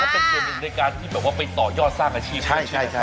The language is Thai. เป็นส่วนหนึ่งในการที่แบบว่าไปต่อยอดสร้างอาชีพให้ใช่ไหม